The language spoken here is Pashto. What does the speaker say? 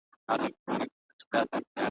نن جهاني بل غزل ستا په نامه ولیکل ,